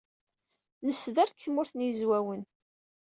Nesder deg Tmurt n Yizwawen.